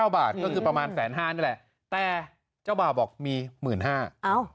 บาทก็คือประมาณแสนห้านี่แหละแต่เจ้าบ่าวบอกมี๑๕๐๐บาท